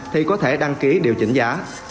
thì có thể đăng ký điều chỉnh giá